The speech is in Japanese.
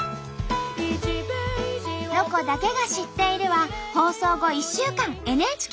「ロコだけが知っている」は放送後１週間ＮＨＫ